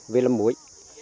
về làm muối